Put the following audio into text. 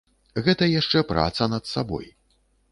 Гэта яшчэ праца над сабой.